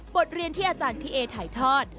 บทเรียนที่อาจารย์พี่เอถ่ายทอด